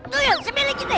tuyuk sembilin gitu nih